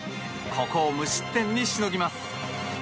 ここを無失点にしのぎます。